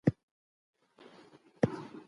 ټولنیز جوړښت د ټولنې د اړیکو نقشه ده.